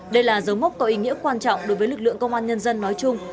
đây là dấu mốc có ý nghĩa quan trọng đối với lực lượng công an nhân dân nói chung